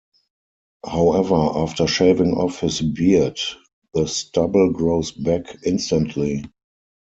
However, after shaving off his beard, the stubble grows back instantly.